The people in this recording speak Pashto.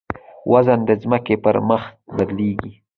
وزن د ځمکې پر مخ بدلېږي.